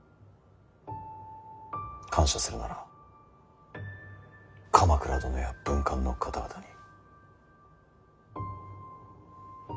感謝するなら鎌倉殿や文官の方々に。